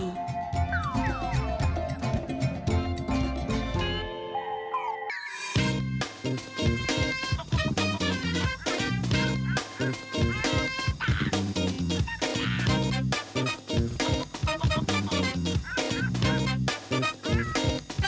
สวัสดีค่ะสวัสดีค่ะ